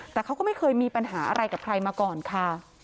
แต่เขาก็ไม่เคยมีปัญหาอะไรกับใครมาก่อนค่ะ